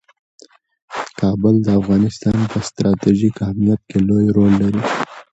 کابل د افغانستان په ستراتیژیک اهمیت کې لوی رول لري.